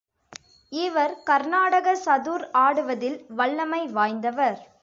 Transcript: இவர் கர்நாடக சதுர் ஆடுவதில் வல்லமை வாய்ந்தவர்.